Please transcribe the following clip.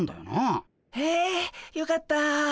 へえよかった。